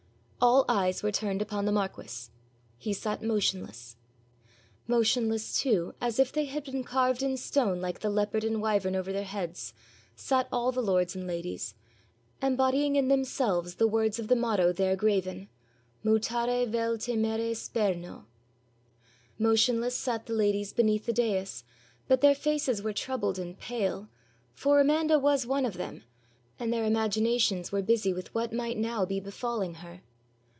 All eyes were turned upon the marquis. He sat motionless. Motionless, too, as if they had been carved in stone like the leopard and wyvern over their heads, sat all the lords and ladies, embodying in themselves the words of the motto there graven, Mulaxe Vel Timere Sperno. Motionless sat the ladies beneath the dais, but their faces were troubled and pale, for Amanda was one of them, and their imaginations were busy with what might now be befalling her.